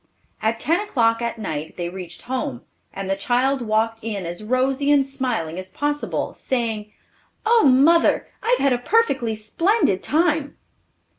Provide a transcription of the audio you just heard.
At ten o'clock at night they reached home, and the child walked in as rosy and smiling as possible, saying, "Oh, mother! I've had a perfectly splendid time!"